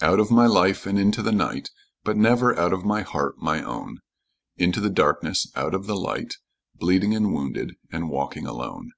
"Out of my life and into the night, But never out of my heart, my own. Into the darkness out of the light, Bleeding and wounded, and walking alone."